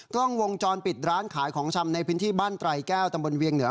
กล้องวงจรปิดร้านขายของชำในพื้นที่บ้านไตรแก้วตำบลเวียงเหนือ